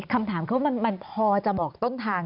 คำถามเข้ามามันพอจะบอกต้นทาง